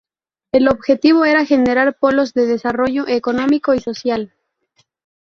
El objetivo era generar polos de desarrollo económico y social.